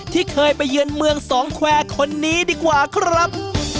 ที่เคยไปเยือนเมืองสองแควร์คนนี้ดีกว่าครับ